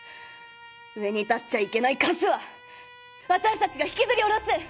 上に立っちゃいけないカスは私たちが引きずり降ろす！